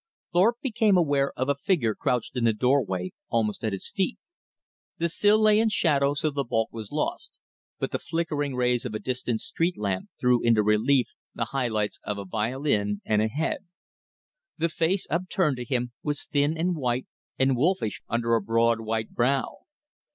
Thorpe became aware of a figure crouched in the door way almost at his feet. The sill lay in shadow so the bulk was lost, but the flickering rays of a distant street lamp threw into relief the high lights of a violin, and a head. The face upturned to him was thin and white and wolfish under a broad white brow.